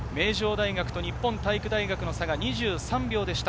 名城大と日本体育大学の差が２３秒でした。